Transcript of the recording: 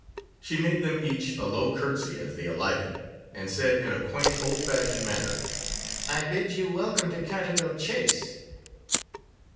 She made them each a low curtsey as they alighted, and said in a quaint, old fashioned manner, 'I bid you welcome to Canterville Chase.